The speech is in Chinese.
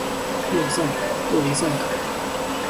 洛雷塞。